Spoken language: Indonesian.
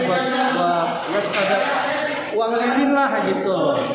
buat uang lindung lah gitu